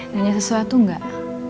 danya sesuatu gak